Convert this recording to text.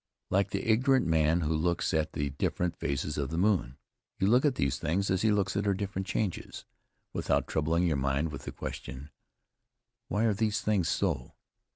Like the ignorant man who looks at the different phases of the moon, you look at these things as he looks at her different changes, without troubling your mind with the question, "Why are these things so?"